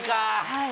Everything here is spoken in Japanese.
はい。